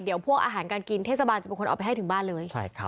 เดี๋ยวพวกอาหารการกินเทศบาลจะเป็นคนเอาไปให้ถึงบ้านเลย